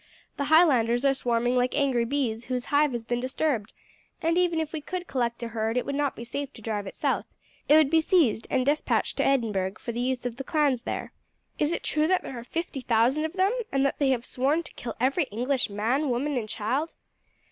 The Highlanders are swarming like angry bees whose hive has been disturbed, and even if we could collect a herd it would not be safe to drive it south; it would be seized and despatched to Edinburgh for the use of the clans there." "Is it true that there are fifty thousand of them, and that they have sworn to kill every English man, woman, and child?"